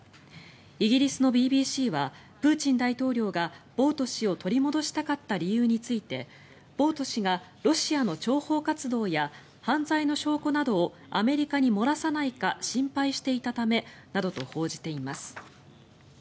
イギリスのＢＢＣはプーチン大統領がボウト氏を取り戻したかった理由についてボウト氏がロシアの諜報活動や犯罪の証拠などをアメリカに漏らさないか心配していたためなどと報じています。